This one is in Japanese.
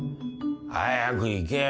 早く行けよ。